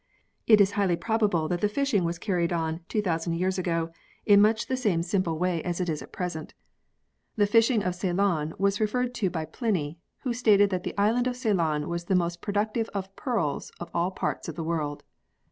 It is highly probable that the fishing was carried on 2000 years ago, in much the same simple i] THE HISTORY OF PEARLS 3 way as at present. The fishing of Ceylon was referred to by Pliny, who stated that the island of Ceylon was the most productive of pearls of all parts of the world.